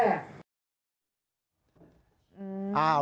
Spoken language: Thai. หลอดไปด้วยหน่อยด้วย